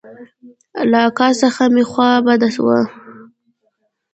له اکا څخه مې خوا بده وه.